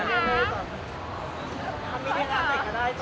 เอาเรื่องต่อไป